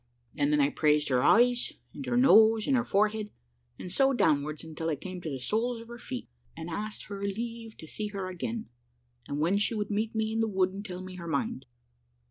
"And then I praised her eyes, and her nose, and her forehead, and so downwards, until I came to the soles of her feet; and asked her leave to see her again, and when she would meet me in the wood and tell me her mind.